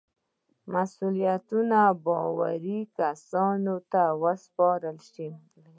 مسئولیتونه باوري کسانو ته وسپارل شي.